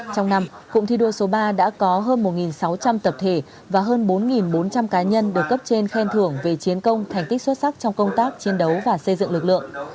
trong năm cụm thi đua số ba đã có hơn một sáu trăm linh tập thể và hơn bốn bốn trăm linh cá nhân được cấp trên khen thưởng về chiến công thành tích xuất sắc trong công tác chiến đấu và xây dựng lực lượng